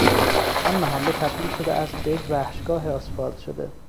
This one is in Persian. آن محله تبدیل شده است به یک وحشگاه آسفالت شده!